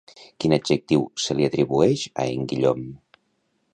Quin adjectiu se li atribueix a en Guillaume?